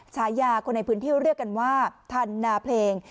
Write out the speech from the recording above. ฉายาคนในพื้นที่เรียกกันว่าทันนาเพลง